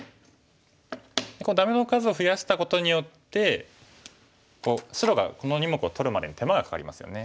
ダメの数を増やしたことによって白がこの２目を取るまでに手間がかかりますよね。